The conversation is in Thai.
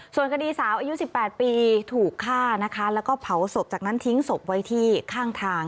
ส่วนคดีสาวอายุ๑๘ปีถูกฆ่านะคะแล้วก็เผาศพจากนั้นทิ้งศพไว้ที่ข้างทาง